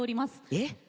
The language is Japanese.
えっ？